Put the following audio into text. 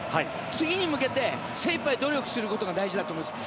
次に向けて精いっぱい努力することが大事だと思います。